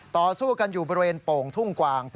ต่อสู้กันอยู่บริเวณโป่งทุ่งกวาง